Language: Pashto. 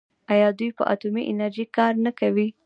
آیا دوی په اټومي انرژۍ کار نه کوي؟